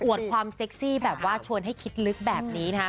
ความเซ็กซี่แบบว่าชวนให้คิดลึกแบบนี้นะคะ